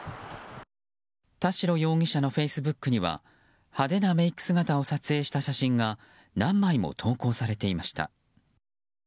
田代容疑者のフェイスブックには派手なメイク姿を撮影した写真が何枚も投稿されていました。